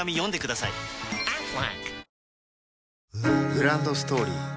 グランドストーリー